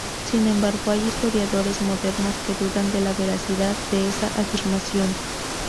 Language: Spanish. Sin embargo hay historiadores modernos que dudan de la veracidad de esa afirmación.